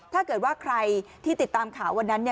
ถ้าเกิดว่าใครที่ติดตามข่าววันนั้น